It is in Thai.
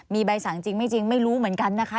มีใบสั่งจริงไม่จริงไม่รู้เหมือนกันนะคะ